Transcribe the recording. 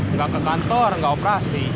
nggak ke kantor nggak operasi